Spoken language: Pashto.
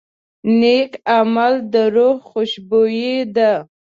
نیک عمل د روح خوشبويي ده.